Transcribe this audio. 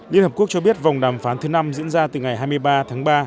liên hợp quốc cho biết vòng đàm phán thứ năm diễn ra từ ngày hai mươi ba tháng ba